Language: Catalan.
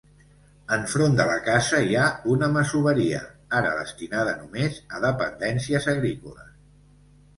Enfront de la casa hi ha una masoveria, ara destinada només a dependències agrícoles.